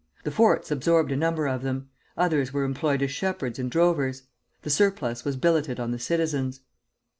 The forts absorbed a number of them; others were employed as shepherds and drovers. The surplus was billeted on the citizens.